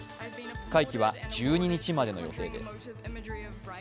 会期は１２日までの予定です。